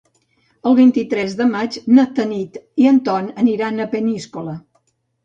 El vint-i-tres de maig na Tanit i en Ton aniran a Peníscola.